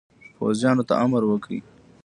پوځیانو ته امر وکړ.